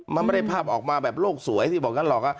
มันไม่ได้ภาพออกมาแบบโลกสวยที่บอกงั้นหรอก